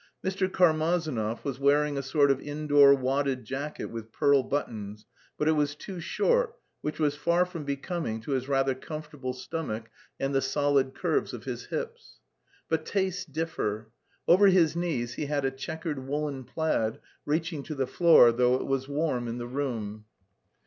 Mr. Karmazinov was wearing a sort of indoor wadded jacket with pearl buttons, but it was too short, which was far from becoming to his rather comfortable stomach and the solid curves of his hips. But tastes differ. Over his knees he had a checkered woollen plaid reaching to the floor, though it was warm in the room.